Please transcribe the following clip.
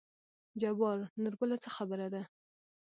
جبار: نورګله څه خبره ده.